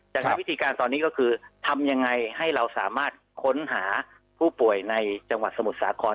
ดังนั้นวิธีการตอนนี้ก็คือทำยังไงให้เราสามารถค้นหาผู้ป่วยในจังหวัดสมุทรสาคร